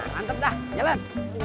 mantap dah jalan